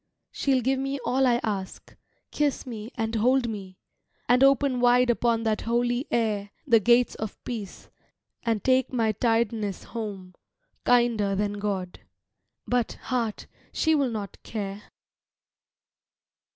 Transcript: She'll give me all I ask, kiss me and hold me, And open wide upon that holy air The gates of peace, and take my tiredness home, Kinder than God. But, heart, she will not care.